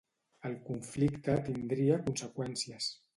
El conflicte tindria conseqüències.